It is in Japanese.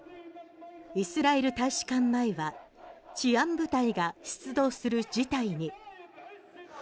イスラエル大使館前は治安部隊が出動する事態に。